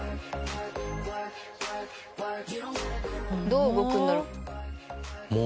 どう動くんだろう？